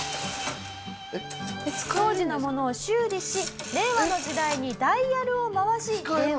当時のものを修理し令和の時代にダイヤルを回し電話をしています。